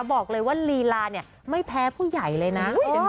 บอกเลยว่าลีลาเนี่ยไม่แพ้ผู้ใหญ่เลยนะ